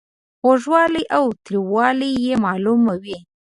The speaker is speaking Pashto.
خوږوالی او تریووالی یې معلوموي.